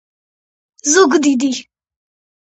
ზუგდიდი